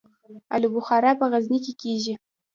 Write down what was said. الو بخارا په غزني کې کیږي